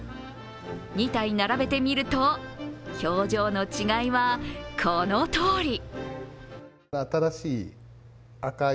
２体並べてみると、表情の違いはこのとおり。